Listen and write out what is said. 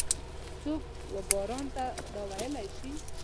څوک وباران ته دا ویلای شي؟